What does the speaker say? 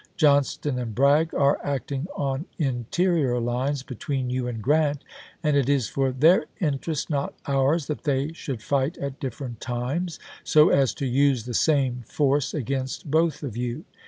Johnston and Bragg are acting on interior lines between you and Grant, and it is for their interest, not ours, that they should fight at different times, so as to use the same force against both of you.